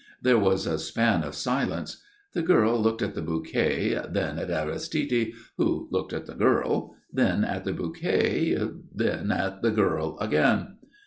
There was a span of silence. The girl looked at the bouquet, then at Aristide, who looked at the girl, then at the bouquet, then at the girl again.